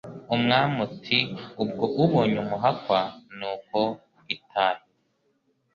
Umwami atiubwo ubonye umuhakwa ni uko itahire